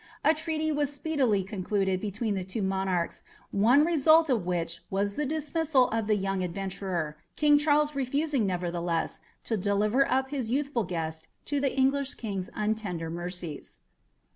A treaty was speedily concluded between the two monarchs, one result of which was the dismissal of the young adventurer, King Charles refusing, nevertheless, to deliver up his youthful guest to the English king's untender mercies.